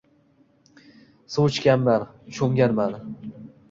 Suv ichganman, cho’mganman.